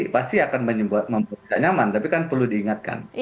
pasti akan membuat tidak nyaman tapi kan perlu diingatkan